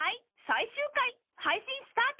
最終回配信スタート！